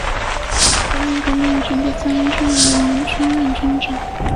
国民革命军第三军由王均任军长。